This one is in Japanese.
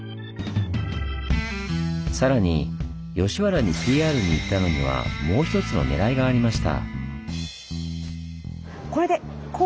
さらに吉原にＰＲに行ったのにはもう一つのねらいがありました。